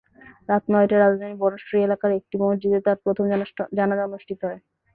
রাত নয়টায় রাজধানীর বনশ্রী এলাকার একটি মসজিদে তাঁর প্রথম জানাজা অনুষ্ঠিত হয়।